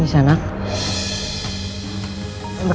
jangan sampai dia melakukan perawanan